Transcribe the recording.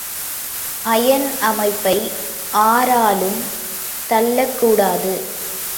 ஐயன் அமைப்பை ஆராலும் தள்ளக் கூடாது.